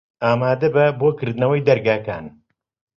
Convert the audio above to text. ئامادە بە بۆ کردنەوەی دەرگاکان.